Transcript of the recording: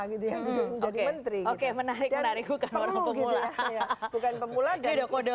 gitu yang menjadi menteri oke menarik menarik bukan orang pemula bukan pemula kode kode